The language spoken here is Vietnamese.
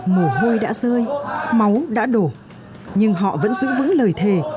mồ hôi đã rơi máu đã đổ nhưng họ vẫn giữ vững lời thề